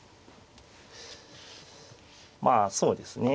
まあそうですね。